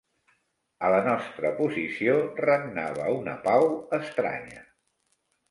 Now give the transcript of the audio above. A la nostra posició regnava una pau estranya